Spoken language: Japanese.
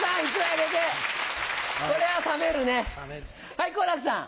はい好楽さん。